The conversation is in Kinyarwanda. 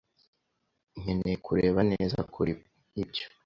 nkeneye kureba neza kuri ibyo.